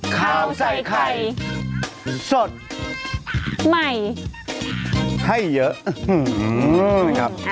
ขาวใส่ไข่สดใหม่ให้เยอะ